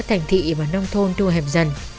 thành thị và nông thôn thu hẹp dần